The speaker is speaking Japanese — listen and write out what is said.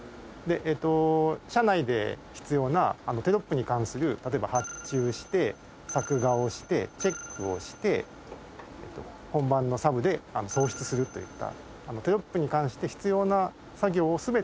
社内で必要なテロップに関する例えば発注して作画をしてチェックをして本番のサブで送出するといったテロップに関して必要な作業を全てオンラインでできるという。